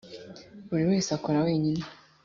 buri wese akora wenyine